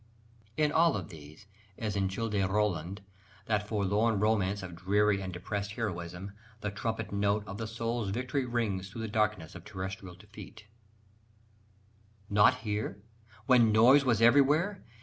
In all these, as in Childe Roland, that forlorn romance of dreary and depressed heroism, "the trumpet note of the soul's victory rings through the darkness of terrestrial defeat": Not hear? when noise was everywhere!